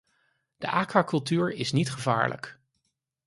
De aquacultuur is niet gevaarlijk.